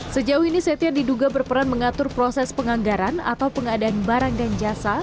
sejauh ini setia diduga berperan mengatur proses penganggaran atau pengadaan barang dan jasa